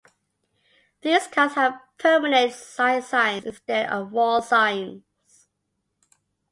These cars have permanent side signs instead of rollsigns.